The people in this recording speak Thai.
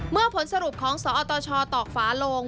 เมื่อผลสรุปของศอชตอกฝาโลง